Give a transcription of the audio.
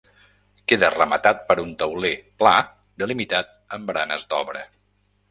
Queda rematat per un tauler pla delimitat amb baranes d'obra.